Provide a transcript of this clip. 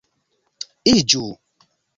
iĝu